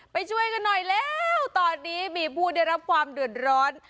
ไปช่วยกันหน่อยแล้วตอนนี้มีผู้ได้รับความเดือดร้อน